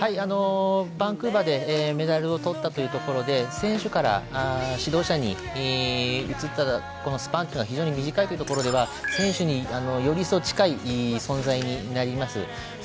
バンクーバーでメダルを取ったというところで選手から指導者に移ったスパンというのが非常に短いというところでは選手によりいっそう近い存在になります。